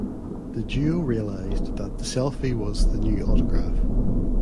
The duo realized that "the selfie was the new autograph".